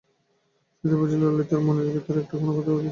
সুচরিতা বুঝিল, ললিতার মনের ভিতর একটা কোনো কথা ঘুরিয়া বেড়াইতেছে।